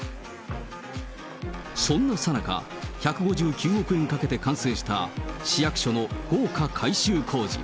そんなさなか、１５９億円をかけて完成した市役所の豪華改修工事。